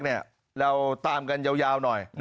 เราตามกันยาวหน่อย